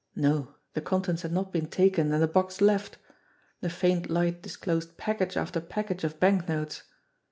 No; the contents had not been taken and the box left ! The faint light disclosed package after package of banknotes.